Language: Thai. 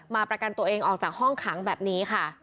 ประกันตัวเองออกจากห้องขังแบบนี้ค่ะ